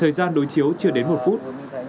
thời gian đối chiếu chưa đến một phút